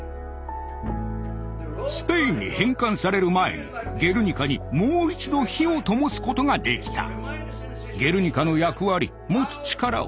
スペインに返還される前に「ゲルニカ」にもう一度火をともすことができた。